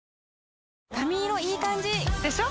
髪色いい感じ！でしょ？